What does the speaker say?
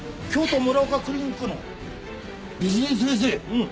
うん。